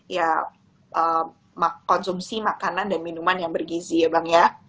ya konsumsi makanan dan minuman yang bergizi ya bang ya